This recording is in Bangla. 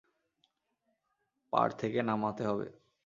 পার থেকে নামাতে হবে।